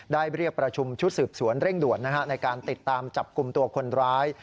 เรียกประชุมชุดสืบสวนเร่งด่วนในการติดตามจับกลุ่มตัวคนร้าย